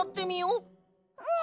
うん！